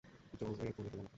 জোরে বলে ফেললাম নাকি?